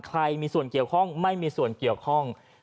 ใครมีส่วนเกี่ยวข้องไม่มีส่วนเกี่ยวข้อง